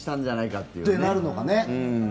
ってなるのがね。